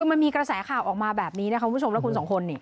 มันมีกระแสข่าวออกมาแบบนี้นะครับทุกคน